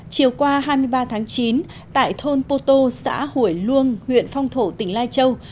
chiều qua hai mươi ba tháng chín tại thôn poto xã hủy luông huyện phong thổ tỉnh lai châu